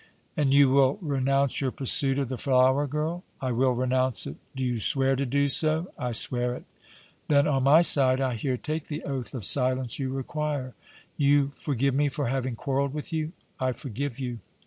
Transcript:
"And you will renounce your pursuit of the flower girl?" "I will renounce it!" "Do you swear to do so?" "I swear it!" "Then, on my side, I here take the oath of silence you require!" "You forgive me for having quarreled with you?" "I forgive you!"